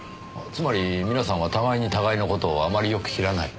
つまり皆さんは互いに互いの事をあまりよく知らない。